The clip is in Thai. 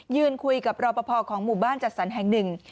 ยืนคุยกับรอปภของหมู่บ้านจัดสรรแห่งหนึ่ง